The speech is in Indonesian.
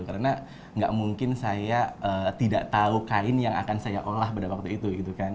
karena nggak mungkin saya tidak tahu kain yang akan saya olah pada waktu itu gitu kan